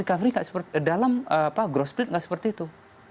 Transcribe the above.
dalam gross plate enggak seperti itu